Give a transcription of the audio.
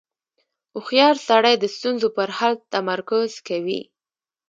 • هوښیار سړی د ستونزو پر حل تمرکز کوي.